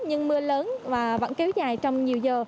nhưng mưa lớn và vẫn kéo dài trong nhiều giờ